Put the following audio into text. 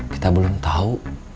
kita belum tahu